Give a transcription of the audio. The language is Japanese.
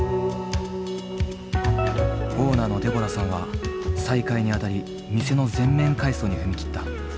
オーナーのデボラさんは再開にあたり店の全面改装に踏み切った。